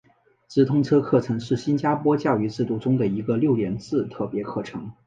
直通车课程是新加坡教育制度中的一个六年制特别课程。